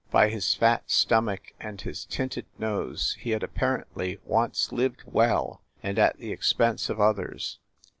By his fat stomach and his tinted nose he had apparently once lived well and at the expense of others.